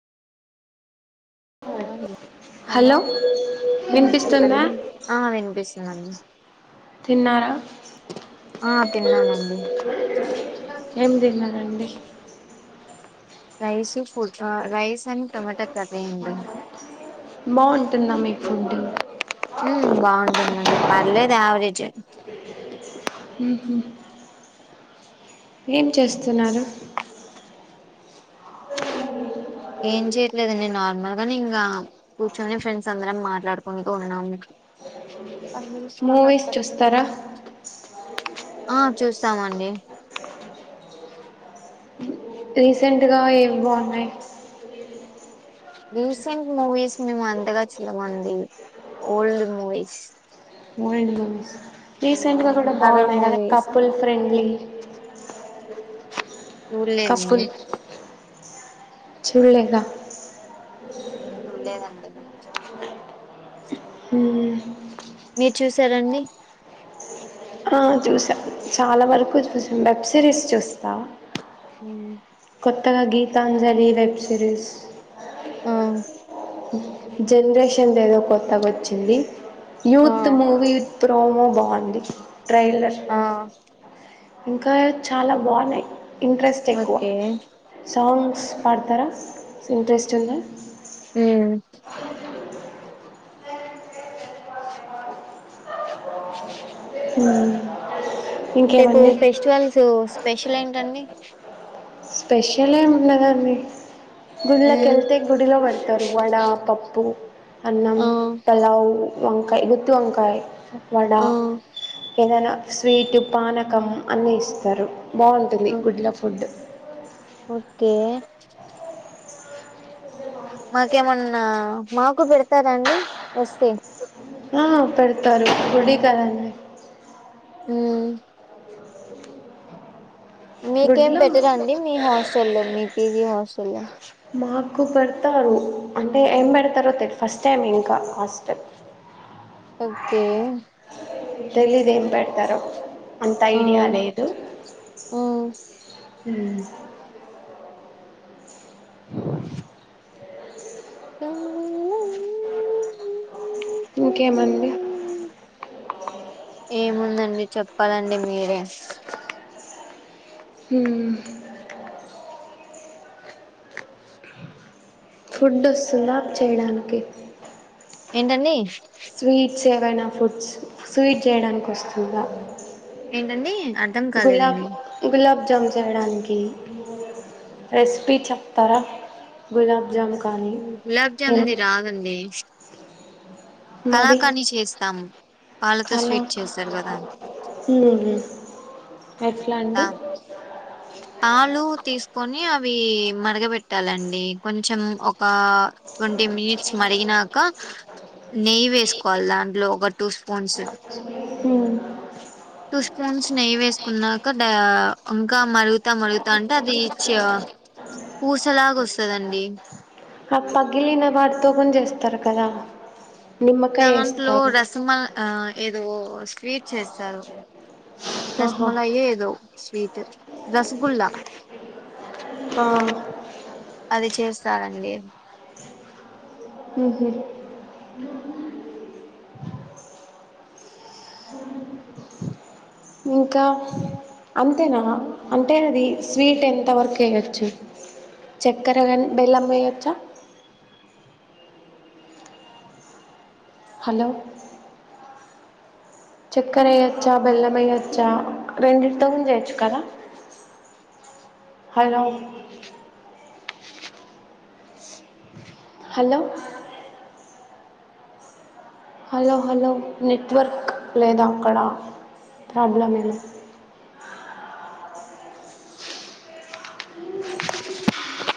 Hello వినిపిస్తుందా చెప్పండి ఆ వినిపిస్త [unintelligible] తిన్నారా తిన్నామండి ఏం తిన్నారండి రైస్ ఫ రాస్ అ టమాటా బాగుంటుందా మీ ఫుడుంగ్ ఉ బాగుంటుందండి పర్లేదు యావరేజ్ ఊహు ఏం చేస్తున్నారు ఏం చేయట్లేదండి నార్మల్ గా నే ఇంగా కూర్చొని ఫ్రెండ్స్ అందరం మాట్లాడుకుంటూ ఉన్నాం ప స్ మార్ట్ మూవీస్ అ జ చూస్తారా ఆ చూస్తామండి రీసెంట్గా ఏవి బాగున్నాయి రీసెంట్ మూవీస్ మేము అంతగా చూడమండి old movies old movies recent గా కూడా హర్రర్ బాగున్నాయి కదా కపుల్ ఫ్రెండ్లీ [unintelligible] ఇఊలేదండి కపుల్ చూడలేదా చూలేదండి ఉ మీరు చూసారండి ఆ చూసాం చాలా వరకు చూసాం వెబ్ సిరీస్ చూస్తా ఉ కొుత్తగా గీతాంజలి వెబ్ సిరీస్ ఆ జనరేషన్ ఏదో కొత్తగా వచ్చింది ఆ యూత్ మూవీ ప్రోమో బాగుంది ట్రైలర్ ఆ ఇంకా చాలా బాగున్నాయి ఇంట్రెస్ట్ ఎక్కువ ఓకే సాంగ్స్ పాడుతార ఇంట్రెస్ట్ ఉంది ఉ ఉ రేపు ఫెస్టివల్స్ స్పెషల్ ఏంటండి స్పెషల్ ఏముంనదండి గుళ్ళకి మ్మ్ కెలితే గుడిలో పడతారు వడ పప్పు అన్నం ఆ పలావ్ వంకాయి గుత్తి వంకాయి వడ ఆ ఏదైనా స్వీటు పానకం అన్ని ఇస్తారు బాగుంటుంది ఓ- గుడ్ల ఫుడ్ ఓకే మాకేమన్నా మాకు పెడతారాండి వస్తే ఆ పెడతారు గుడి కదా అండి ఉమ్ మీకేం గుడ్లో పెట్టరా అండి మీ హాస్టల్లో మీ పీజీ హాస్టల్లో? మాకు పెడతారు అంటే ఏం పెడతారో తెల్ ఫస్ట్ టైం ఇంకా హాస్టల్ ఓకే తెలీదు ఏం పెడతారో అంత ఆ ఐడియా లేదు ఆ మ్మ్ డోర్ సౌండ్ సాంగ్ [unintelligible] ఇంకేమంది ఏముందండి చెప్పాలండి మీరే ఉహు ఫుడ్ వస్తుందా చేయడానికి ఏంటండీ ఫుడ్స్ ఏమైనా ఫుడ్స్ స్వీట్ చేయడానికి వస్తుందా? ఏంటండి? అర్ధం గులాబ్ కాలేదండి గులాబ్ గులాబ్ జామ్ చేయడానికి రెసిపీ చెప్తారా గులాబ్ జామ్ కానీ గులాబ్ జామున్ది రాదండి అ కళాకాని చేస్తాము పాలతో స్వీట్ చేస్తారు కదా కలకాన్ ఎట్లా అండి దా పాలు తీసుకొని అవి మరగబెట్టాలండి కొంచెం ఒక ట్వంటీ మినిట్స్ మరిగినాక నెయ్యి వేసుకోవాలి దాంట్లో ఒక టూ స్పూన్స్ ఉమ్. టూ స్పూన్స్ నెయ్యి వేసుకున్నాక అంట అంగ [unintelligible] ఇకా మరుగుతా మరుగుతా అంటే అదిచ్చ పూసలాగ వస్తుందండి ఆ పగ్గిలిన వాడితో కుడా కొని చేస్తారు కదా నిమ్మకాయ దాంట్లో వేస్తారు రసమల్ ఆ ఓ స్వీట్ చేస్తారు ఆహా రస్మలయ్ ఏదో స్వీట్ రస్గుల్లా ఆ అది చేస్తారండి ఉహు ఇంకా అంతేనా అంటే అది స్వీట్ ఎంత వర్క్ వేయచ్చు చక్కెర గానీ బెల్లం వేయచ్చా హలో చక్కర ఎయొచ్చా బెల్లం ఎయచ్చా రెండింటితోని చేయొచ్చు కదా hello hello hello hello network లేదా అక్కడ ప్రాబ్లం ఏనా